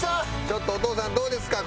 ちょっとお父さんどうですか？